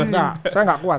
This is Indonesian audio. nah saya gak kuat